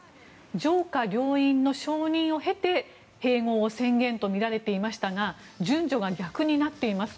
上下両院の承認を経て併合を宣言するとみられていましたが順序が逆になっています。